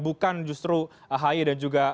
bukan justru ahy dan juga